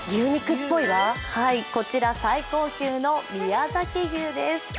こちら、最高級の宮崎牛です。